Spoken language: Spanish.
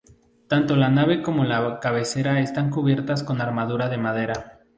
Tanto la nave como la cabecera están cubiertas con armadura de madera.